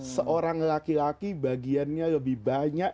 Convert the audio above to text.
seorang laki laki bagiannya lebih banyak